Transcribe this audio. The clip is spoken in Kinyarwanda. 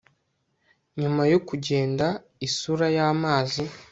nyuma yo kugenda-isura y'amazi